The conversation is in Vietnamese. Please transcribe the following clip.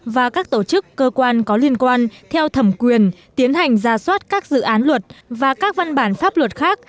và các tổ chức cơ quan có liên quan theo thẩm quyền tiến hành ra soát các dự án luật và các văn bản pháp luật khác